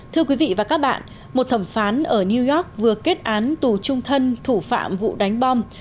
thưa quý vị và các bạn một thẩm phán ở new york vừa kết án tù trung thân thủ phạm vụ đánh bom